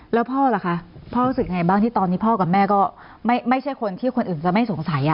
แล้วพ่อล่ะคะพ่อรู้สึกยังไงบ้างที่ตอนนี้พ่อกับแม่ก็ไม่ใช่คนที่คนอื่นจะไม่สงสัย